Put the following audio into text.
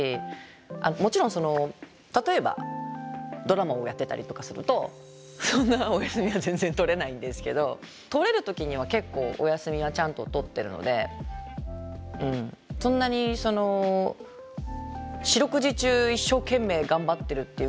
もちろん例えばドラマをやってたりとかするとそんなお休みは全然取れないんですけど取れる時には結構お休みはちゃんと取ってるのでそんなに四六時中一生懸命頑張ってるっていう感じではないです。